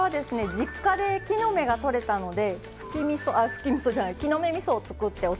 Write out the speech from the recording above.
実家で木の芽がとれたので木の芽みそを作ってお豆腐に添えてみました。